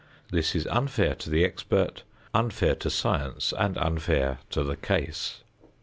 This is unfair to the expert, unfair to science, and unfair to the case.